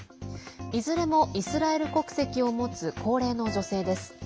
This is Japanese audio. いずれもイスラエル国籍を持つ高齢の女性です。